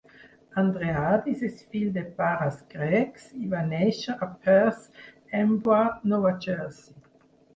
Andreadis és fill de pares grecs i va néixer a Perth Amboy, Nova Jersey.